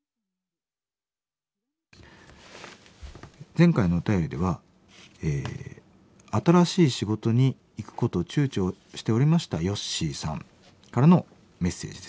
前回のお便りでは新しい仕事に行くことをちゅうちょしておりましたヨッシーさんからのメッセージですね。